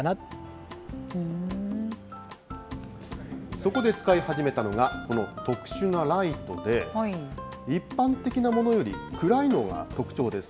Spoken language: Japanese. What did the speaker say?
そこで使い始めたのが、この特殊なライトで、一般的なものより暗いのが特徴です。